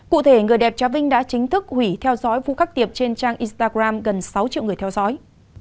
cụ thể người đẹp trà vinh đã chính thức hủy theo dõi vụ cắt tiệp trên trang instagram gần sáu triệu người theo dõi